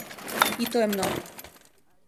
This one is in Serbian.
И то је много.